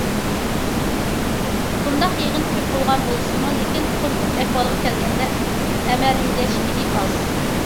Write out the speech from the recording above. بۇنداق يىغىن كۆپ بولغان بولسىمۇ، لېكىن كونكرېت ئەھۋالغا كەلگەندە ئەمەلىيلەشكىنى ئاز.